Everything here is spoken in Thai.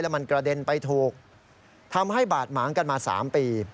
มันกระเด็นไปถูกทำให้บาดหมางกันมา๓ปี